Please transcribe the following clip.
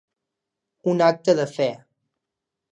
Un acte de fe